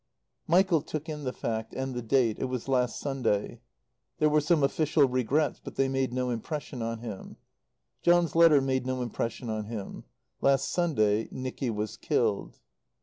Michael took in the fact, and the date (it was last Sunday). There were some official regrets, but they made no impression on him. John's letter made no impression on him. Last Sunday Nicky was killed.